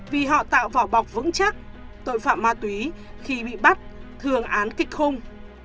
vì họ tạo vỏ bọc vững chắc tội phạm ma túy khi bị bắt thường án kịch khung